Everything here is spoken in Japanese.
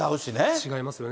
違いますよね。